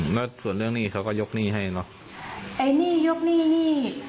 แล้วส่วนเรื่องหนี้เขาก็ยกหนี้ให้เนอะไอ้หนี้ยกหนี้หนี้